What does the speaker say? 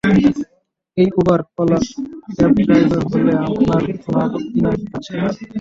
এই Uber, Ola cab driver হলে আপনার কোন আপত্তি আছে?